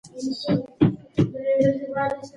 وسله والو به په هغو تیارو کې کله کله ډزې کولې.